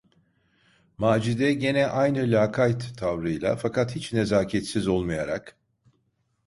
Macide, gene aynı lakayt tavrıyla, fakat hiç nezaketsiz olmayarak: